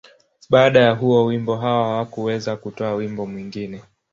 Baada ya huo wimbo, Hawa hakuweza kutoa wimbo mwingine.